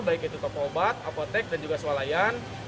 baik itu toko obat apotek dan juga sualayan